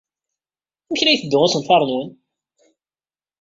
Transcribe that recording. Amek ay la yetteddu usenfar-nwen?